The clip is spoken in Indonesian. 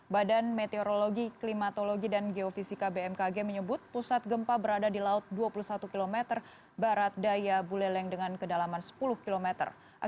badan meteorologi klimatologi dan geofisika bmkg menyebut pusat gempa berada di laut dua puluh satu km barat daya buleleng dengan kedalaman sepuluh kilometer